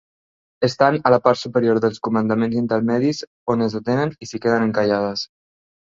Estan a la part superior dels comandaments intermedis on es detenen i s'hi queden encallades.